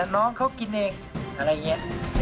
น้องเขากินเองอะไรอย่างนี้